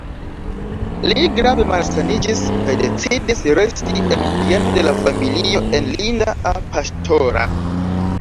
Li grave malsaniĝis kaj decidis resti en bieno de la familio en Linda-a-Pastora.